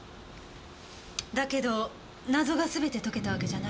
だけど謎が全て解けたわけじゃないわ。